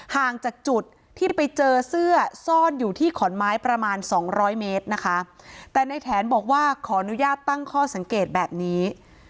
ห่างจากจุดที่ไปเจอเสื้อซ่อนอยู่ที่ขอนไม้ประมาณสองร้อยเมตรนะคะแต่ในแถนบอกว่าขออนุญาตตั้งข้อสังเกตแบบนี้